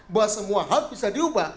bahwa semua hal bisa diubah